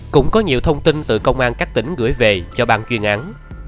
cũng có nhiều thông tin từ công an các tỉnh gửi về cho ban chuyên án